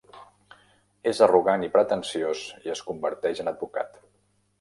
És arrogant i pretensiós i es converteix en advocat.